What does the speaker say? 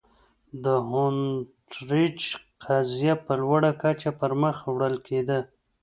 د هونټریج قضیه په لوړه کچه پر مخ وړل کېده.